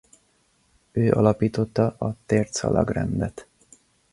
Ő alapította a Térdszalagrendet.